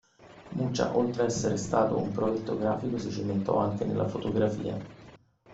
Mucha, oltre ad essere stato un provetto grafico, si cimentò anche nella fotografia.